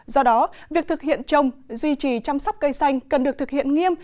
do đó việc thực hiện trồng duy trì chăm sóc cây xanh cần được thực hiện nghiêm